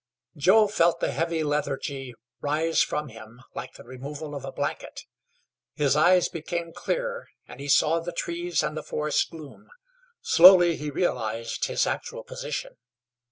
Joe felt the heavy lethargy rise from him like the removal of a blanket; his eyes became clear, and he saw the trees and the forest gloom; slowly he realized his actual position.